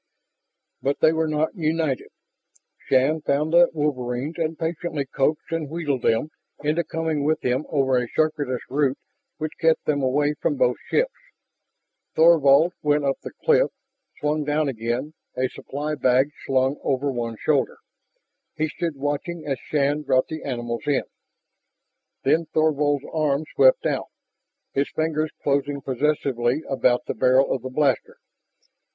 But they were not united. Shann found the wolverines and patiently coaxed and wheedled them into coming with him over a circuitous route which kept them away from both ships. Thorvald went up the cliff, swung down again, a supply bag slung over one shoulder. He stood watching as Shann brought the animals in. Then Thorvald's arm swept out, his fingers closing possessively about the barrel of the blaster.